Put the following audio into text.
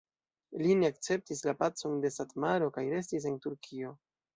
Li ne akceptis la pacon de Satmaro kaj restis en Turkio.